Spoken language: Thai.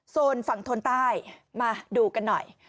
โซนฝั่งทนใต้มาดูกันหน่อย